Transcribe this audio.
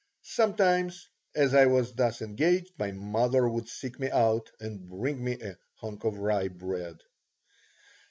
Sometimes, as I was thus engaged, my mother would seek me out and bring me a hunk of rye bread.